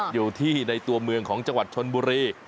อยู่ในตัวเมืองของจังหวัดชนบุรี